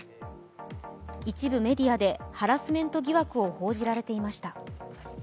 一部メディアでハラスメント疑惑を報じられていました。